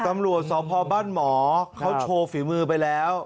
ตำรวจสพบ้านหมอเขาโชว์ฝีมือไปแล้ว